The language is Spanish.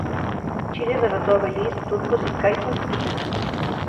Chile derrotó a Belice, Turcos y Caicos y Perú.